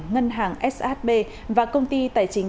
ngân hàng shb và công ty tài chính